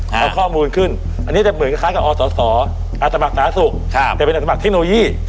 เอาข้อมูลขึ้นอันนี้คล้ายกับออสมเสาอาสสาธาสุขแต่เป็นอสมัครเทคโนโลยี